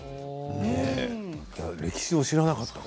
歴史を知らなかった。